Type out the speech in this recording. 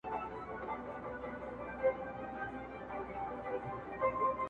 شل سره خيشتوي، يو لا نه خريي.